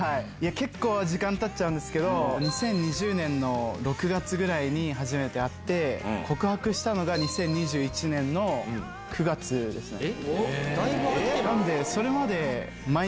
結構時間たっちゃうんですけど、２０２０年の６月ぐらいに、初めて会って、告白したのが２０２１年の９月でしたね。